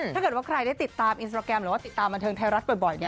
ถ้าเกิดว่าใครได้ติดตามอินสตราแกรมหรือว่าติดตามบันเทิงไทยรัฐบ่อย